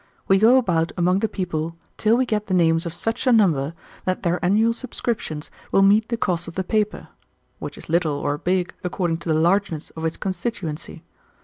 We go about among the people till we get the names of such a number that their annual subscriptions will meet the cost of the paper, which is little or big according to the largeness of its constituency.